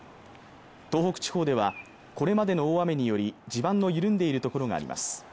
東北地方ではこれまでの大雨により地盤の緩んでいる所があります